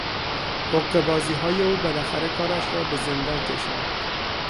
حقهبازیهای او بالاخره کارش را به زندان کشاند.